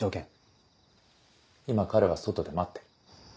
今彼は外で待ってる。